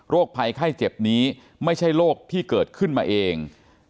ภัยไข้เจ็บนี้ไม่ใช่โรคที่เกิดขึ้นมาเอง